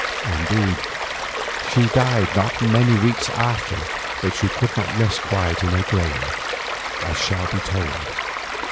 Indeed she died not many weeks after but could not rest quiet in her grave, as shall be told.